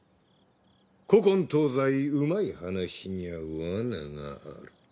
古今東西うまい話には罠がある。